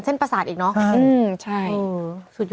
เส้นประสาทอีกเนอะใช่สุดยอดเลย